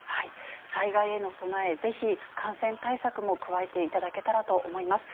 災害への備え、ぜひ感染対策も加えていただけたらと思います。